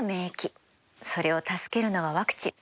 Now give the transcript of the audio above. それを助けるのがワクチン。